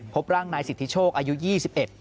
พบร่างนายสิทธิโชคอายุยี่สิบเอ็ด